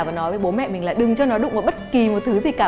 và nói với bố mẹ mình là đừng cho nó đụng vào bất kỳ một thứ gì cả